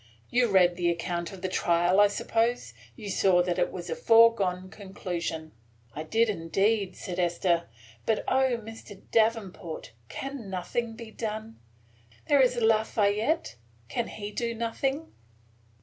You read the account of the trial, I suppose; you saw that it was a foregone conclusion?" "I did, indeed," said Esther, "But, O Mr. Davenport! can nothing be done? There is Lafayette; can he do nothing?"